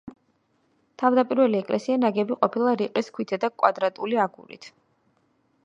თავდაპირველი ეკლესია ნაგები ყოფილა რიყის ქვითა და კვადრატული აგურით.